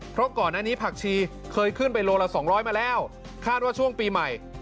เพราะก่อนอันนี้ผักชีเคยขึ้นไปโลละ๒๐๐มาแล้วคาดว่าช่วงปีใหม่